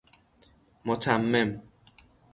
متمم